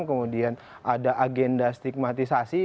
kemudian ada agenda stigmatisasi